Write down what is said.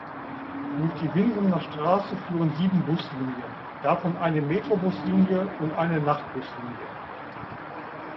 Durch die Winsener Straße führen sieben Buslinien, davon eine Metrobuslinie und eine Nachtbuslinie.